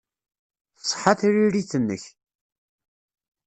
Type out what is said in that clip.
Tṣeḥḥa tririt-nnek.